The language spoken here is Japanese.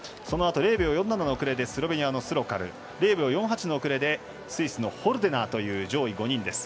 そのあと０秒４７の遅れでスロベニアのスロカル０秒４８の遅れでスイスのホルデナーという上位５人。